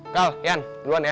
kal yan duluan ya